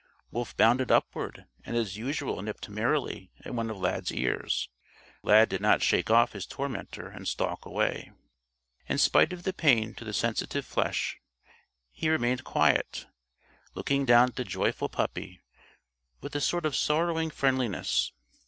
Wolf bounded upward and as usual nipped merrily at one of Lad's ears. Lad did not shake off his tormentor and stalk away. In spite of the pain to the sensitive flesh, he remained quiet, looking down at the joyful puppy with a sort of sorrowing friendliness.